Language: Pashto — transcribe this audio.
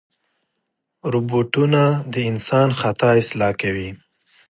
روبوټونه د انسان خطا اصلاح کوي.